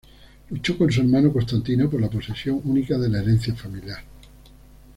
Luchó con su hermano Constantino por la posesión única de la herencia familiar.